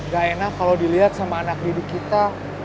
gak enak kalau dilihat sama anak didik kita